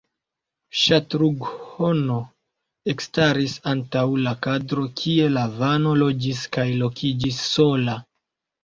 Ŝatrughno ekstaris antaŭ la krado kie Lavano loĝis kaj lokiĝis sola.